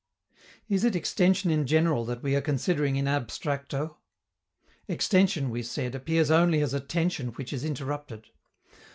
Is it extension in general that we are considering in abstracto? Extension, we said, appears only as a tension which is interrupted.